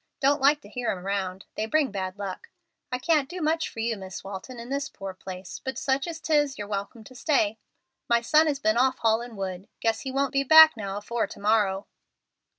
Don't like to hear 'em round. They bring bad luck. I can't do much for you, Miss Walton, in this poor place. But such as 'tis you're welcome to stay. My son has been off haulin' wood; guess he won't be back now afore to morrow."